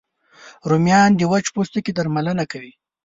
رومیان د وچ پوستکي درملنه کوي